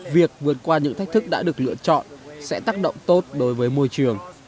việc vượt qua những thách thức đã được lựa chọn sẽ tác động tốt đối với môi trường